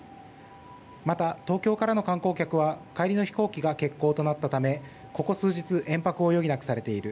また、東京からの観光客は帰りの飛行機が欠航となったためここ数日延泊を余儀なくされている。